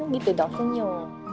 gitu dong senyum